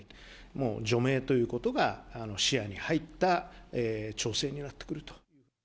もう、除名ということが視野に入った調整になってくると。